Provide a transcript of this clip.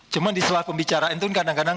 cuman di setelah pembicaraan itu kadang kadang